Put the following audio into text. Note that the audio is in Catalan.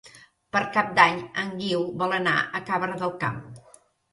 Per Cap d'Any en Guiu vol anar a Cabra del Camp.